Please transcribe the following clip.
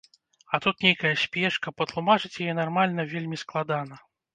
А тут нейкая спешка, патлумачыць яе нармальна вельмі складана.